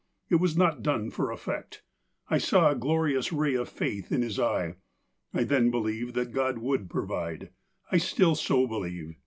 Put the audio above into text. It was not done for effect. I saw a glorious ray of faith in his eye. I then believed that God would provide. I still so believe.